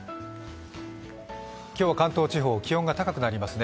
今日は関東地方、気温が高くなりますね。